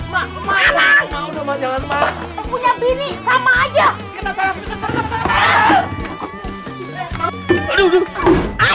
suami kalau simple ini kayak apa rwot